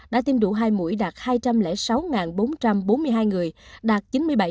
đã tiêm đủ hai mũi đạt hai trăm linh sáu bốn trăm bốn mươi hai người đạt chín mươi bảy